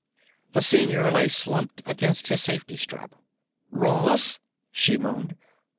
The senior lay slumped against his safety strap. "Ross!" she moaned.